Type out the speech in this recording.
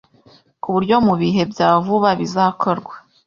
ku buryo mu bihe bya vuba bizakorwa